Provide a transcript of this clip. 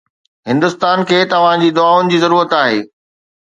هندستان کي توهان جي دعائن جي ضرورت آهي